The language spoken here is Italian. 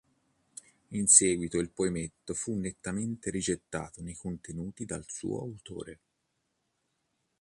In seguito il poemetto fu nettamente rigettato nei contenuti dal suo autore.